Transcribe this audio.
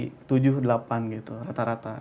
di tujuh delapan gitu rata rata